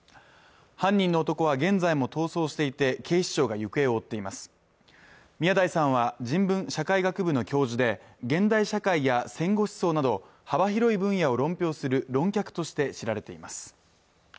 犯人の男は現在も逃走していて警視庁が行方を追っています宮台さんは人文社会学部の教授で現代社会や戦後思想など幅広い分野を論評する論客として知られています